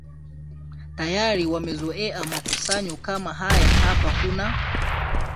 tayari wamezoea makusanyo kama haya Hapa kuna